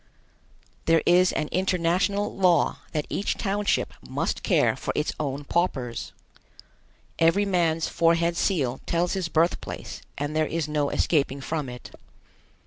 There is an international law that each township must care for its own paupers. Every man's forehead seal tells his birthplace and there is no escaping from it.